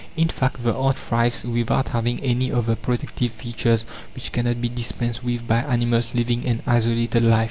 In fact, the ant thrives without having any of the "protective" features which cannot be dispensed with by animals living an isolated life.